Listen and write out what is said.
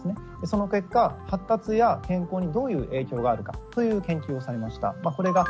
その結果発達や健康にどういう影響があるか？という研究をされました。